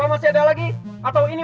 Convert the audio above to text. sampai jumpa di video selanjutnya